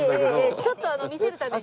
ちょっとあの見せるために。